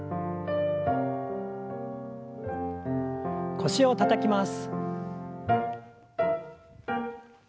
腰をたたきます。